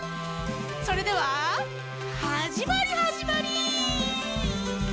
それでははじまりはじまり。